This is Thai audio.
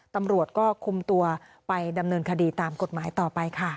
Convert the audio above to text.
ตำรวจก็คุมตัวไปดำเนินคดีตามกฎหมายต่อไปค่ะ